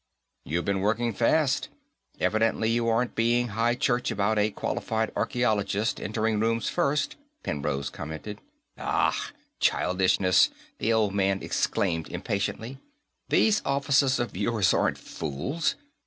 "You've been working fast. Evidently you aren't being high church about a 'qualified archaeologist' entering rooms first," Penrose commented. "Ach, childishness!" the old man exclaimed impatiently. "These officers of yours aren't fools.